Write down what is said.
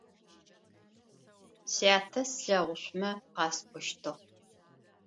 Сятэ слъэгъушъумэ къасӏощтыгъ.